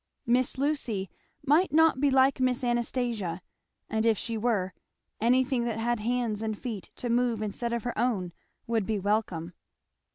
Miss Lucy might not be like Miss Anastasia; and if she were, anything that had hands and feet to move instead of her own would be welcome.